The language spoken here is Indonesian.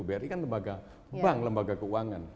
bri kan lembaga bank lembaga keuangan